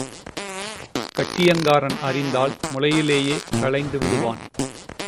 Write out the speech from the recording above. கட்டியங்காரன் அறிந்தால் முளையிலேயே களைந்து விடுவான்.